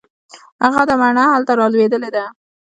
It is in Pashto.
هغه ده مڼه هلته رالوېدلې ده.